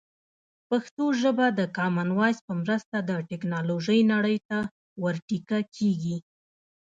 پښتو ژبه د کامن وایس په مرسته د ټکنالوژۍ نړۍ ته ور ټيکه کېږي.